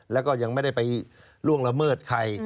แล้วก็ยังไม่ได้ไปล่วงละเมิดใคร